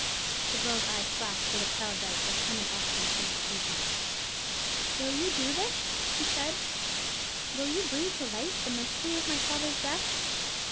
The girl's eyes flashed with a proud light, as Clement Austin finished speaking. "Will you do this?" she said; "will you bring to light the mystery of my father's death?